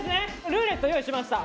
ルーレット用意しました。